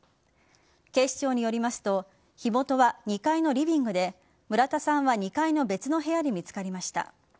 警視庁によりますと火元は２階のリビングで村田さんは２階の別の部屋で見つかりました。